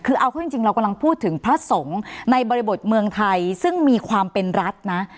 คือเอาเข้าจริงเรากำลังพูดถึงพระสงฆ์ในบริบทเมืองไทยซึ่งมีความเป็นรัฐนะ